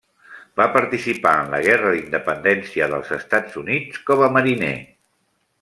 Va participar en la guerra d'independència dels Estats Units com a mariner.